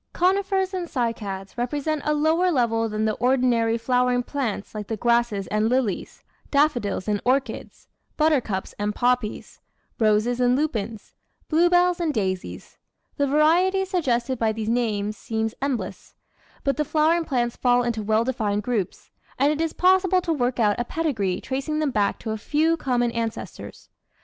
Conifers and Cycads represent a lower level than the ordinary flowering plants like grasses and lilies, daffodils and orchids, buttercups and poppies, roses and lupins, bluebells and daisies. The variety suggested by these names seems endless, but the flowering plants fall into well defined groups, and it is pos sible to work out a pedigree tracing them back to a few common ancestors.